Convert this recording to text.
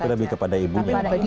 tapi lebih kepada ibunya